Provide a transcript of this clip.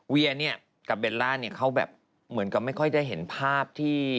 เวียเนี่ยกับเบลล่าเนี่ยเขาแบบเหมือนกับไม่ค่อยได้เห็นภาพที่